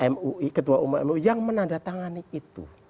mui ketua umum mui yang menandatangani itu